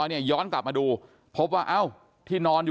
พอวัวไปกินหญ้าอะไรเสร็จปล่อยเสร็จเรียบร้อย